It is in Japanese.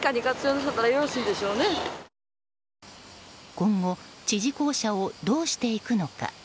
今後、知事公舎をどうしていくのか。